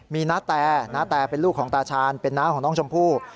มีนาแตณแต่เป็นลูกของตาชาญเป็นน้าของน้องชมพู่